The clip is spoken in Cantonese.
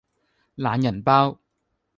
懶人包